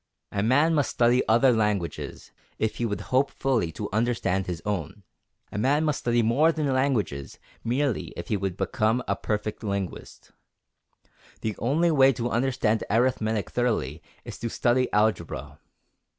A man must study other languages, if he would hope fully to understand his own. A man must study more than languages merely if he would become a perfect linguist. The only way to understand arithmetic thoroughly is to study algebra.